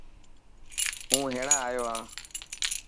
هون هينڙا آيو هان.